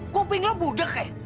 kuping lo budek ya